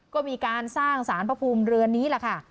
ก็มีการสร้างสารพระภูมิเรือนนี้แหละค่ะ